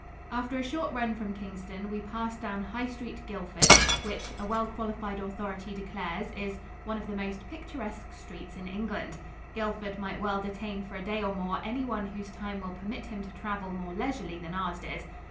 After a short run from Kingston, we passed down High Street, Guildford, which, a well qualified authority declares, is "one of the most picturesque streets in England." Guildford might well detain for a day or more anyone whose time will permit him to travel more leisurely than ours did.